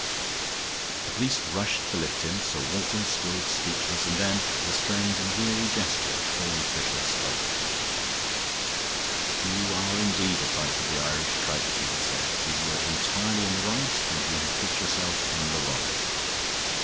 The police rushed to lift him; Sir Walter stood speechless; and then, with a strange and weary gesture, Horne Fisher spoke. "You are indeed a type of the Irish tragedy," he said. "You were entirely in the right, and you have put yourself in the wrong."